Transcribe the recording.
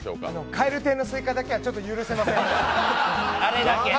蛙亭のスイカだけはちょっと許せません！